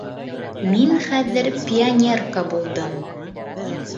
Мин хәҙер пионерка булдым.